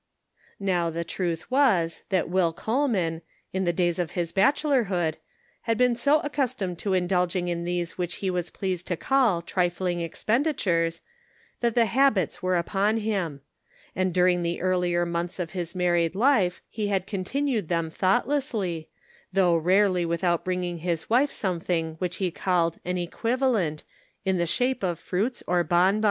Now the truth was, that Will Coleman, hi the days of his bachelorhood, had been so ac customed to indulging in these which he was pleased to call trifling expenditures, that the habits were upon him ; and during the earlier months of his married life he had continued them thoughtlessly, though rarely without bringing his wife something which he called " an equivalent," in the shape of fruits or bon bons.